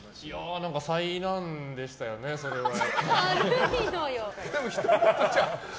災難でしたよね、それはね。